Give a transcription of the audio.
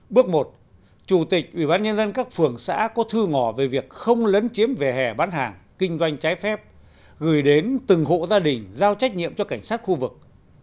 bước một chủ tịch ubnd các phường xã có thư ngỏ về việc không lấn chiếm vỉa hè bán hàng kinh doanh trái phép gửi đến từng hộ gia đình giao trách nhiệm cho cảnh sát khu vực